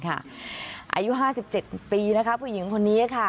อายุ๕๗ปีนะคะผู้หญิงคนนี้ค่ะ